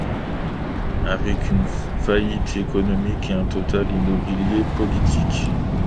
Avec une faillite économique et un total immobilisme politique.